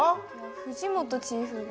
藤本チーフが。